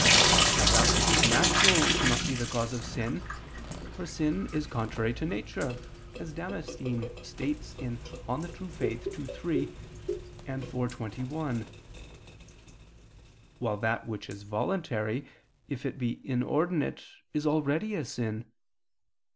Now that which is natural cannot be the cause of sin, for sin is contrary to nature, as Damascene states (De Fide Orth. ii, 3; iv, 21); while that which is voluntary, if it be inordinate, is already a sin.